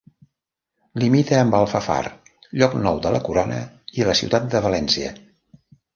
Limita amb Alfafar, Llocnou de la Corona i la ciutat de València.